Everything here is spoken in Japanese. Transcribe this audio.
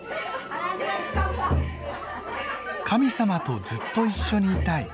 「神様とずっと一緒にいたい」。